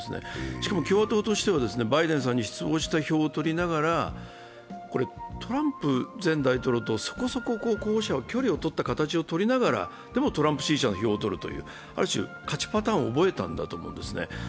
しかも共和党としてはバイデンさんに失望した票を取りながら、トランプ前大統領とそこそこ、候補者は距離をとった形をとりながらでもトランプ支持者の票をとるという、勝ちパターンを覚えたと思うんですね。